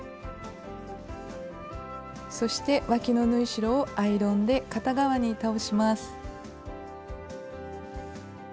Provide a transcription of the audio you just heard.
そしてわきの縫い代をアイロンで片側に倒します。